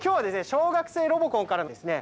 「小学生ロボコン」からですね